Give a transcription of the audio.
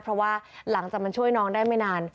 เพราะว่าหลังจากมันช่วยน้องได้ไม่นาน